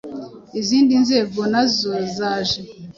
izindi nzego nazo zaje